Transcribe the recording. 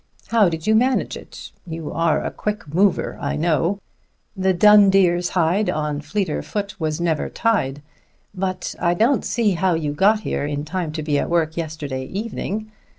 "How did you manage it? You are a quick mover, I know; the dun deer's hide on fleeter foot was never tied; but I don't see how you got here in time to be at work yesterday evening.